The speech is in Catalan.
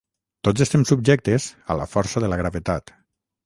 Tots estem subjectes a la força de la gravetat